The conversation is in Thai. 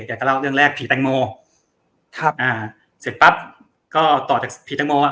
แกก็เล่าเรื่องแรกผีแตงโมครับอ่าเสร็จปั๊บก็ต่อจากผีแตงโมอ่ะ